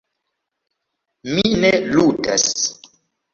Mi ne ludas.